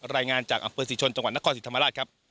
รายงานจากอำเภอศรีชนจังหวัดนครศรีธรรมราชครับ